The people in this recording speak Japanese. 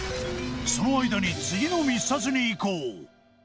その間に次の密撮にいこう